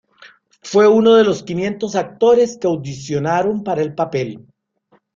Fue uno de los quinientos actores que audicionaron para el papel.